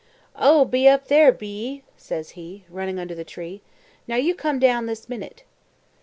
"Oh, be up ther', be 'ee?" says he, running under the tree. "Now you come down this minute."